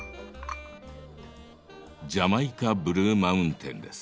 ジャマイカ・ブルーマウンテンです。